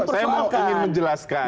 saya ingin menjelaskan